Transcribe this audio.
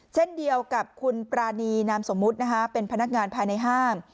เช่นเดียวกับคุณปรานีนามสมมุตินะคะเป็นพนักงานภายในห้าง